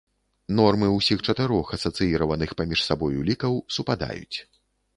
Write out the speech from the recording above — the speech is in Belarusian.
Нормы ўсіх чатырох асацыіраваных паміж сабою лікаў супадаюць.